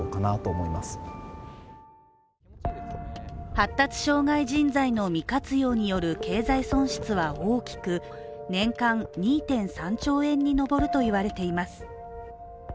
発達障害人材の未活用による経済損失は大きく日本国内でも年間２．３兆円にのぼるといわれています。